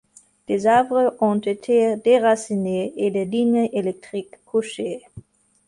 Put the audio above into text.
Des arbres ont été déracinés et des lignes électriques couchées.